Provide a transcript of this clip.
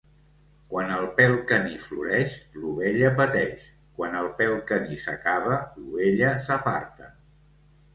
Quan el pèl caní floreix, l'ovella pateix; quan el pèl caní s'acaba, l'ovella s'afarta.